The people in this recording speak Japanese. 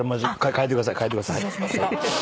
変えてください。